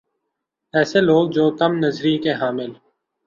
ایسے لوگ جو کم نظری کے حامل